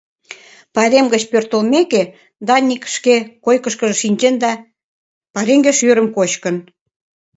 Пайрем гыч пӧртылмеке, Даник шке койкыштыжо шинчен да пареҥге шӱрым кочкын.